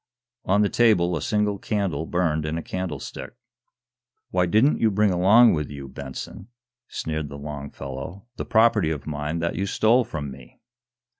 On the table a single candle burned in a candlestick. "Why didn't you bring along with you, Benson," sneered the long fellow, "the property of mine that you stole from me?"